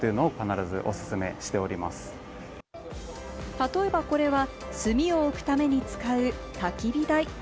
例えばこれは、炭を置くために使う、たき火台。